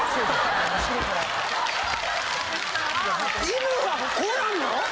犬がこうやんの！？